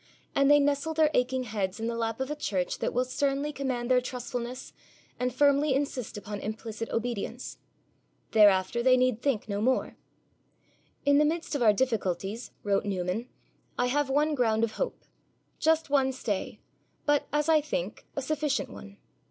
And they nestle their aching heads in the lap of a Church that will sternly command their trustfulness and firmly insist upon implicit obedience. Thereafter they need think no more. 'In the midst of our difficulties,' wrote Newman, 'I have one ground of hope, just one stay, but, as I think, a sufficient one.